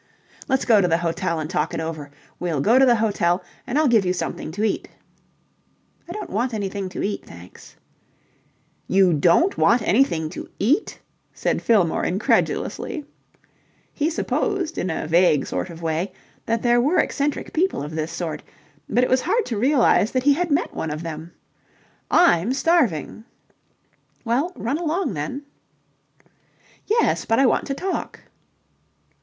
"Let's go to the hotel and talk it over. We'll go to the hotel and I'll give you something to eat." "I don't want anything to eat, thanks." "You don't want anything to eat?" said Fillmore incredulously. He supposed in a vague sort of way that there were eccentric people of this sort, but it was hard to realize that he had met one of them. "I'm starving." "Well, run along then." "Yes, but I want to talk..."